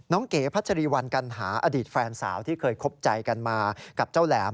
เก๋พัชรีวัลกัณหาอดีตแฟนสาวที่เคยคบใจกันมากับเจ้าแหลม